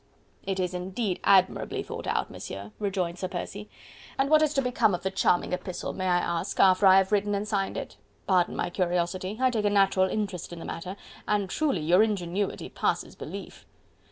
"It is indeed admirably thought out, Monsieur," rejoined Sir Percy, "and what is to become of the charming epistle, may I ask, after I have written and signed it?... Pardon my curiosity.... I take a natural interest in the matter... and truly your ingenuity passes belief..."